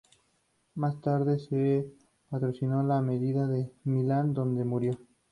Más tarde se practicó la medicina en Milán, donde murió.